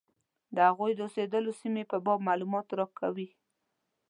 د هغوی د اوسېدلو سیمې په باب معلومات راکوي.